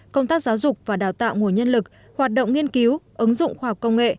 công tác giáo dục và đào tạo nguồn nhân lực hoạt động nghiên cứu ứng dụng khoa học công nghệ